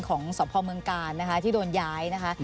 ของสพเมืองกาลนะคะที่โดนย้ายนะคะ